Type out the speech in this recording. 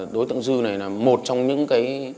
đối tượng dư này là một trong những cái